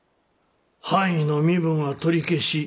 藩医の身分は取り消し。